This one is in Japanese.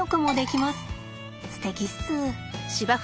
すてきっす。